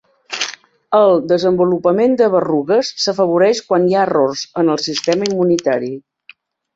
El desenvolupament de berrugues s'afavoreix quan hi ha errors en el sistema immunitari.